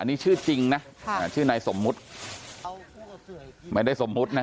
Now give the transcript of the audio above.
นี่ชื่อจริงนะค่ะชื่อนายสมมุติไม่ได้สมมุตินะ